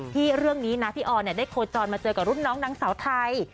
เรื่องนี้นะพี่ออนได้โคจรมาเจอกับรุ่นน้องนางสาวไทย